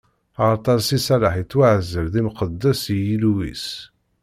Axaṭer Si Salaḥ ittwaɛzel d imqeddes i Yillu-is.